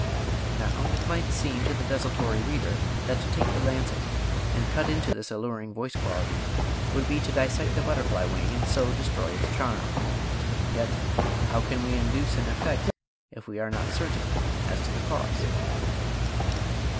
Now it might seem to the desultory reader that to take the lancet and cut into this alluring voice quality would be to dissect a butterfly wing and so destroy its charm. Yet how can we induce an effect if we are not certain as to the cause?